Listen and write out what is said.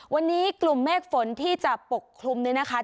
วันนี้กลุ่มเมฆฝนที่จะปกคลุมเนี่ยนะคะ